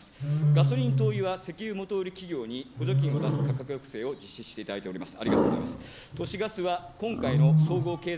ガソリン、灯油は石油元売り企業に補助金を出す価格抑制策をしております。